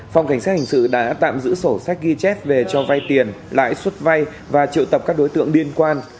phòng cảnh sát hành sự đã tạm giữ sổ sách ghi chép về cho vay tiền lãi xuất vay và triệu tập các đối tượng điên quan